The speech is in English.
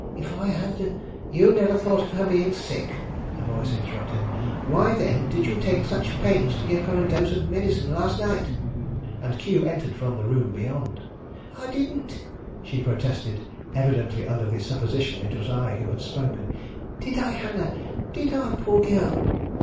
If I had " "You never thought of her being sick?" a voice here interrupted. "Why, then, did you take such pains to give her a dose of medicine last night?" And Q entered from the room beyond. "I didn't!" she protested, evidently under the supposition it was I who had spoken. "Did I, Hannah, did I, poor girl?"